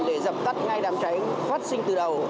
để dập tắt ngay đám cháy phát sinh từ đầu